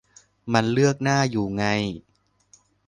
มันเลือกหน้าอยู่ไง